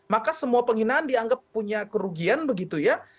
maka semua penghinaan dianggap punya kerugian begitu ya